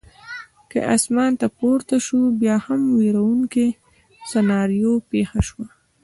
کې اسمان ته پورته شوه، بیا هم وېروونکې سناریو پېښه شوه.